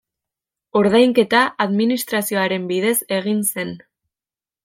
Ordainketa administrazioaren bidez egin zen.